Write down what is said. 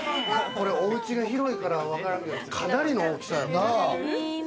これ、おうちが広いからわからんけど、かなりの大きさやな。